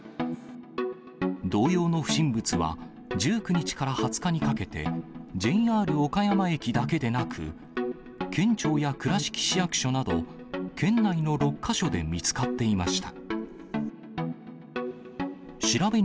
同様の不審物は、１９日から２０日にかけて、ＪＲ岡山駅だけでなく、県庁や倉敷市役所など、県内の６か所で見つかっていました。